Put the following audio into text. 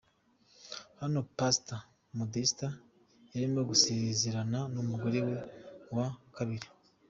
Hano Pastor Modeste yarimo gusezerana n'umugore we wa kabiri.